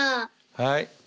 はい。